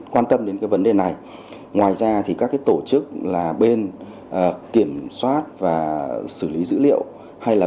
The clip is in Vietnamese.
quan tâm đến cái vấn đề này ngoài ra thì các cái tổ chức là bên kiểm soát và xử lý dữ liệu hay là